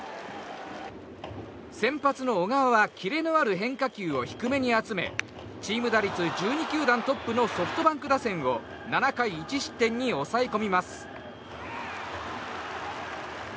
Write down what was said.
先発の小川はキレのある変化球を低めに集めチーム打率１２球団トップのソフトバンク打線を７回１失点に抑えこみます。